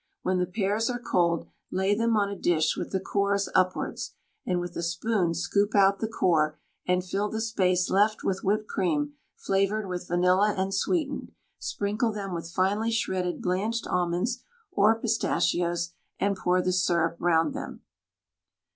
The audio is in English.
When the pears are cold lay them on a dish with the cores upwards, and with a spoon scoop out the core, and fill the space left with whipped cream flavoured with vanilla and sweetened; sprinkle them with finely shredded blanched almonds or pistachios, and pour the syrup round them.